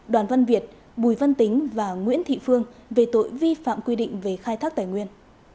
đoàn văn việt bùi văn tính và nguyễn thị phương về tội vi phạm quy định về khai thác tài nguyên